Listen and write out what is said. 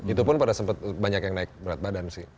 itu pun pada sempat banyak yang naik berat badan sih